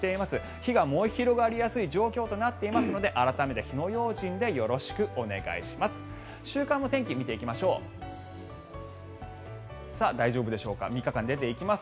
火が燃え広がりやすい状況となっていますので改めて火の用心でよろしくお願いします。